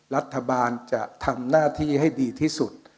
รัฐบาลจะทำหน้าที่ให้ดีที่สุด